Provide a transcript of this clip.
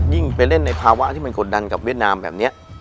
ไปเล่นในภาวะที่มันกดดันกับเวียดนามแบบนี้